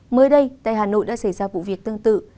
mới đây tại hà nội đã xảy ra vụ việc tương tự